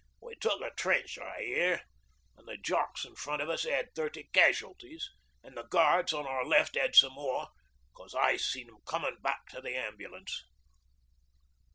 We took a trench, I hear; an' the Jocks in front of us had thirty casualties, and the Guards on our left 'ad some more, 'cos I seed 'em comin' back to the ambulance.